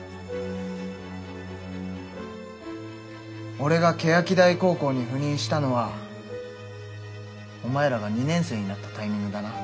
俺が欅台高校に赴任したのはお前らが２年生になったタイミングだな。